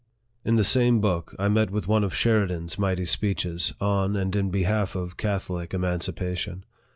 In the same book, I met with one of Sheridan's mighty speeches on and in behalf of Catholic eman cipation.